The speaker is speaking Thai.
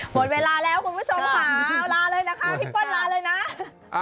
หมดเวลาแล้วคุณผู้ชมค่ะลาเลยล่ะค่ะพี่เปิ้ลลาเลยนะ